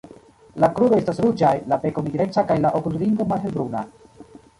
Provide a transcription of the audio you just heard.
La kruroj estas ruĝaj, la beko nigreca kaj la okulringo malhelbruna.